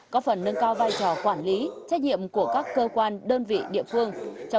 có phần nâng cao vai trò quản lý trách nhiệm của các cơ quan đơn vị địa phương